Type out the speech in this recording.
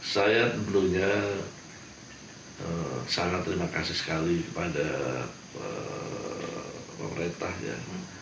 saya tentunya sangat terima kasih sekali kepada pemerintahnya